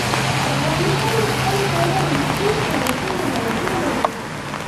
افغانستان د خاوره په اړه مشهور تاریخی روایتونه لري.